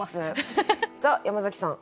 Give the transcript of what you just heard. さあ山崎さん